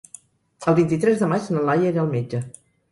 El vint-i-tres de maig na Laia irà al metge.